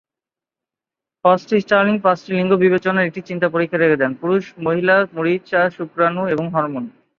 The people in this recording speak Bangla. ফস্টো-স্টার্লিং পাঁচটি লিঙ্গ বিবেচনার একটি চিন্তা পরীক্ষা রেখে যান: পুরুষ, মহিলা, মরিচা, শুক্রাণু এবং হরমোন।